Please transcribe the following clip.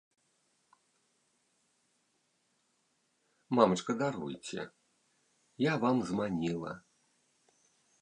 Мамачка, даруйце, я вам зманіла!